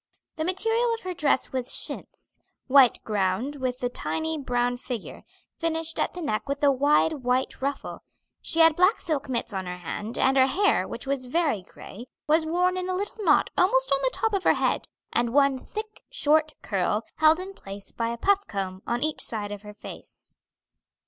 The material of her dress was chintz white ground with a tiny brown figure finished at the neck with a wide white ruffle; she had black silk mitts on her hands, and her hair, which was very gray was worn in a little knot almost on the top of her head, and one thick, short curl, held in place by a puff comb, on each side of her face.